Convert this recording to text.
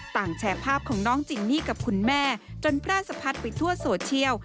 แชร์ภาพของน้องจินนี่กับคุณแม่จนแพร่สะพัดไปทั่วโซเชียล